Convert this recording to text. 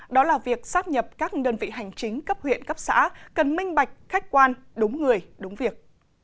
đó là việc sắp nhập các đơn vị hành chính cấp huyện cấp xã cần minh bạch khách quan đúng người đúng việc